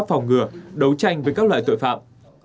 phòng ngừa đấu tranh với các loại tội phạm